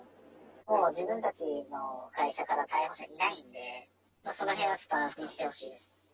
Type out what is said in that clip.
もう自分たちの会社から逮捕者いないんで、そのへんはちょっと安心してほしいです。